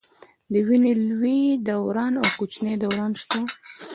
د وینې لوی دوران او کوچني دوران شته.